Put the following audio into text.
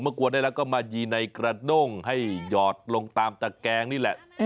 กวนได้แล้วก็มายีในกระด้งให้หยอดลงตามตะแกงนี่แหละ